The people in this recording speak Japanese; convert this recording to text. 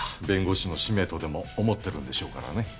弁護士の使命とでも思ってるんでしょうからね。